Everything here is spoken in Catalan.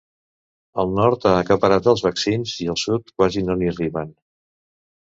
El nord ha acaparat els vaccins i al sud quasi no n’hi arriben.